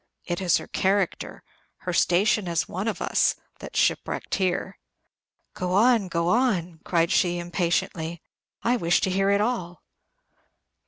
It is her character her station as one of us that's shipwrecked here." "Go on, go on," cried she, impatiently; "I wish to hear it all."